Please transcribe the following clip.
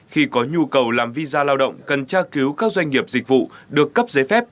khi có nhu cầu làm visa lao động cần tra cứu các doanh nghiệp dịch vụ được cấp giấy phép